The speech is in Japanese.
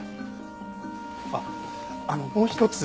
あっあのもう一つ。